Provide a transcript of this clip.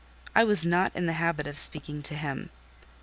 I was not in the habit of speaking to him.